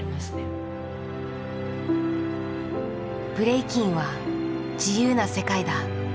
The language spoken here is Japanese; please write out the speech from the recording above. ブレイキンは自由な世界だ。